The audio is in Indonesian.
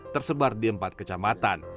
tersebar di empat kecamatan